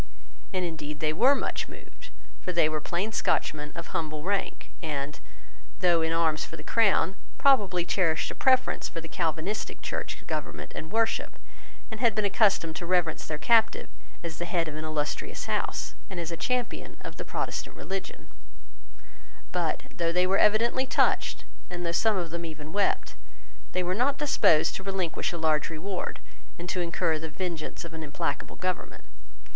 And indeed they were much moved. For they were plain Scotchmen of humble rank, and, though in arms for the crown, probably cherished a preference for the Calvinistic church government and worship, and had been accustomed to reverence their captive as the head of an illustrious house and as a champion of the Protestant religion But, though they were evidently touched, and though some of them even wept, they were not disposed to relinquish a large reward and to incur the vengeance of an implacable government.